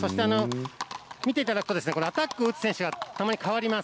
見ていただくとアタックを打つ選手がたまにかわります。